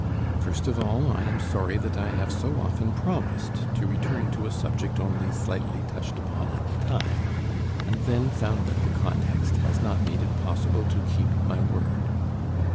First of all, I am sorry that I have so often promised to return to a subject only slightly touched upon at the time, and then found that the context has not made it possible to keep my word.